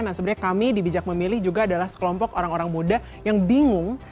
nah sebenarnya kami di bijak memilih juga adalah sekelompok orang orang muda yang bingung